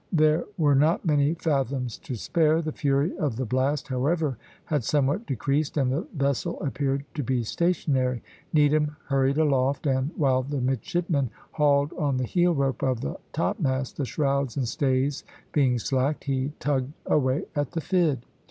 There were not many fathoms to spare. The fury of the blast, however, had somewhat decreased, and the vessel appeared to be stationary. Needham hurried aloft, and while the midshipmen hauled on the heel rope of the topmast the shrouds and stays being slacked he tugged away at the fid.